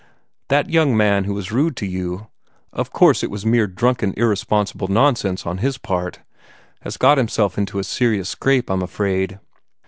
That young man who was rude to you of course it was mere drunken, irresponsible nonsense on his part has got himself into a serious scrape, I'm afraid.